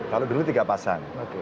kalau dulu tiga pasang